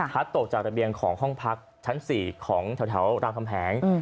ตกจากระเบียงของห้องพักชั้น๔ของแถวรามคำแหง